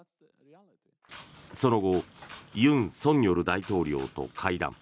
その後、尹錫悦大統領と会談。